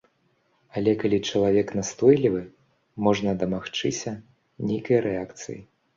Але калі чалавек настойлівы, можна дамагчыся нейкай рэакцыі.